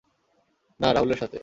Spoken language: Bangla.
না, রাহুলের সাথে।